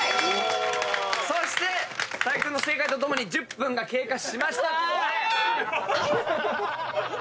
そして木君の正解とともに１０分が経過しました！